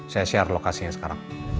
saya share lokasinya sekarang